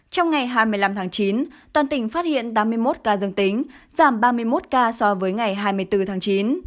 trong ngày hai mươi năm tháng chín toàn tỉnh phát hiện tám mươi một ca dương tính giảm ba mươi một ca so với ngày hai mươi bốn tháng chín